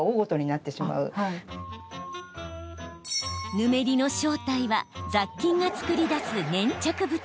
ヌメリの正体は雑菌が作り出す粘着物。